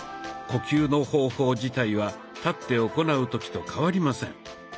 呼吸の方法自体は立って行う時と変わりません。